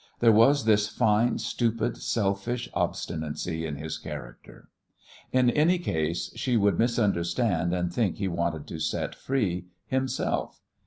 There was this fine, stupid, selfish obstinacy in his character. In any case, she would misunderstand and think he wanted to set free himself.